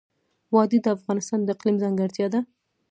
وادي د افغانستان د اقلیم ځانګړتیا ده.